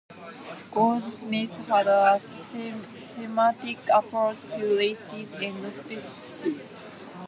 Goldsmith had a thematic approach to races and spaceships.